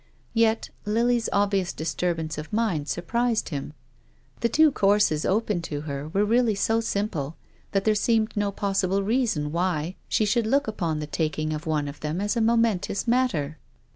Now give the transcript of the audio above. Yet Lily's obvious disturbance of mind surprised him. The two courses open to her were really so simple that there seemed no possible reason why she should look upon the taking of one of them as a momentous matter.